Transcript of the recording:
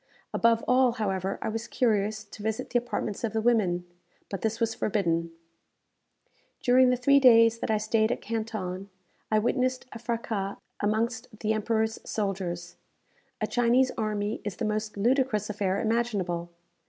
Above all, however, I was curious to visit the apartments of the women; but this was forbidden. During the three days that I stayed at Canton, I witnessed a fraças amongst the Emperor's soldiers. A Chinese army is the most ludicrous affair imaginable.